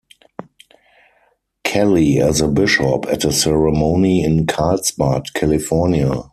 Kelly as a bishop at a ceremony in Carlsbad, California.